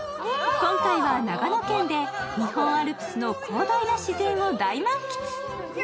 今回は長野県で日本アルプスの広大な自然を大満喫。